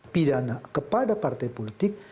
pidana kepada partai politik